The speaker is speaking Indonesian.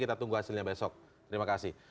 kita tunggu hasilnya besok terima kasih